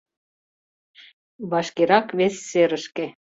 — Вашкерак вес серышке.